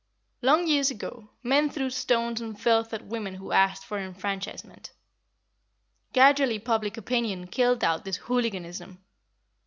Long years ago, men threw stones and filth at women who asked for enfranchisement. Gradually public opinion killed out this hooliganism.